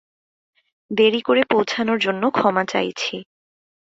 দেরি করে পৌছানোর জন্য ক্ষমা চাইছি।